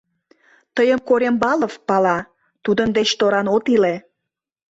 Тыйым Корембалов пала, тудын деч торан от иле...